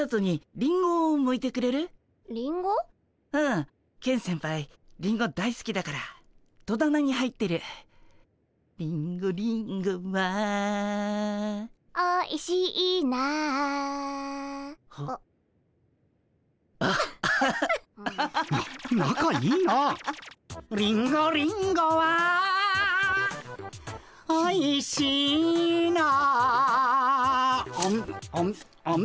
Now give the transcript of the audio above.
「リンゴリンゴはおいしいな」あむ。